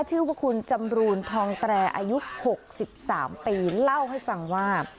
ชื่อว่าคุณจำรูนทองแตรอายุ๖๓ปีเล่าให้ฟังว่า